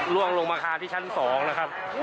ล้วงลงมาค่ะที่ชั้นสองนะครับ